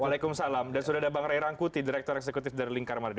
waalaikumsalam dan sudah ada bang ray rangkuti direktur eksekutif dari lingkar madu